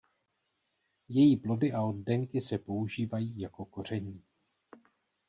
Její plody a oddenky se používají jako koření.